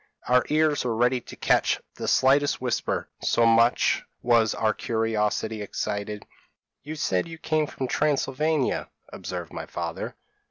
Our ears were ready to catch the slightest whisper so much was our curiosity excited. "'You said you came from Transylvania?' observed my father.